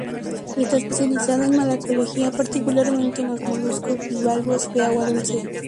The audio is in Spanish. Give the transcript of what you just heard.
Está especializada en malacología, particularmente en los moluscos bivalvos de agua dulce.